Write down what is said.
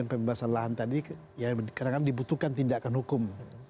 pembebasan lahan tadi ya kadang kadang dibutuhkan tindakan hukum